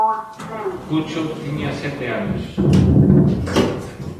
Pucho tiña sete anos.